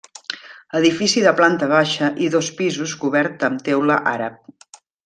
Edifici de planta baixa i dos pisos cobert amb teula àrab.